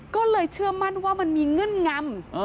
ก็เลยเชื่อมั่นว่ามันมีเงื่อนงำ